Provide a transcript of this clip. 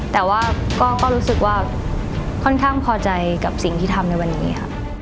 แต่ว่าก็รู้สึกว่าค่อนข้างพอใจกับสิ่งที่ทำในวันนี้ค่ะ